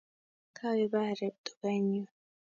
Kawe paarip tuga eng' yun